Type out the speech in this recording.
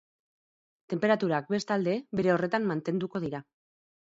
Tenperaturak, bestealde, bere horretan mantenduko dira.